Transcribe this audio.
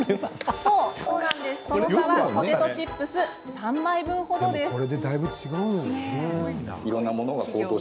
その差は、ポテトチップス３枚分程です。